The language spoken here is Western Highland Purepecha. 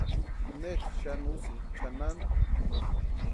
¿Necha xani úsïni chanani?